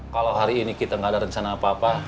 kalau hari ini kita nggak ada rencana apa apa